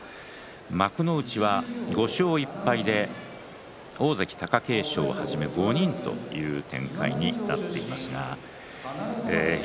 幕内は５勝１敗で大関貴景勝をはじめ５人という展開になっています。